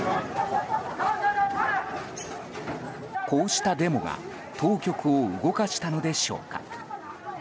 こうしたデモが当局を動かしたのでしょうか。